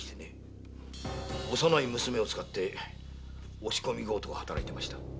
幼い娘を使って押し込み強盗を働いてました。